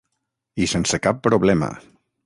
I sense cap problema.